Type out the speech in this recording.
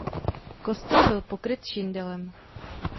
Kostel byl pokryt šindelem.